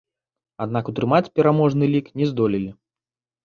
Аднак утрымаць пераможны лік не здолелі.